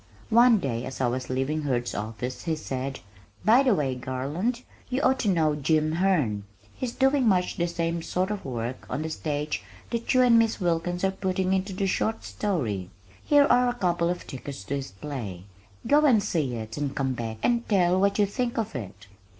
One day as I was leaving Hurd's office he said, "By the way, Garland, you ought to know Jim Herne. He's doing much the same sort of work on the stage that you and Miss Wilkins are putting into the short story. Here are a couple of tickets to his play. Go and see it and come back and tell what you think of it."